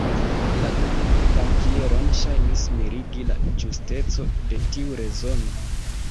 La bankieron ŝajnis mirigi la ĝusteco de tiu rezono.